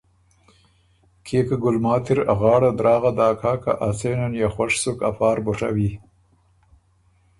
کيې که ګلماتی ر ا غاړه دراغه داک هۀ که ا څېنه نيې خوش سُک افار بُو ڒوی۔